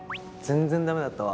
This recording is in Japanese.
全然ダメだった？